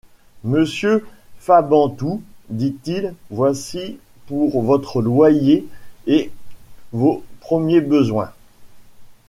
Monsieur Fabantou, dit-il, voici pour votre loyer et vos premiers besoins.